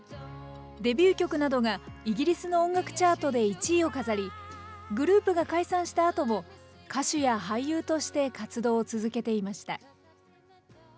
デビュー曲などがイギリスの音楽チャートで１位を飾り、グループが解散したあとも、歌手や俳優として活動を続けていました。